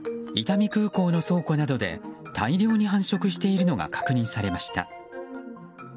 伊丹空港の倉庫などで大量に繁殖しているのが確認されました。